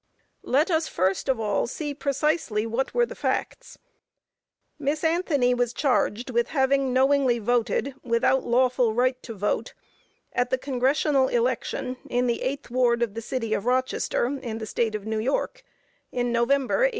Let us first of all see precisely what were the facts. Miss Anthony was charged with having knowingly voted, without lawful right to vote, at the Congressional election in the eighth ward of the City of Rochester, in the State of New York, in November, 1872.